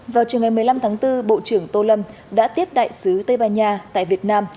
vào trường ngày một mươi năm tháng bốn bộ trưởng tô lâm đã tiếp đại sứ tây ban nha tại việt nam